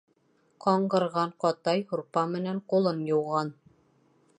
Ҡаңғырған ҡатай һурпа менән ҡулын йыуған.